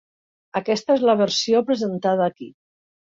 Aquesta és la versió presentada aquí.